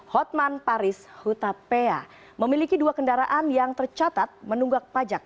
hotman paris hutapea memiliki dua kendaraan yang tercatat menunggak pajak